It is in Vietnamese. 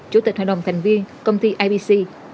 chủ tịch hội đồng thành viên công ty ipc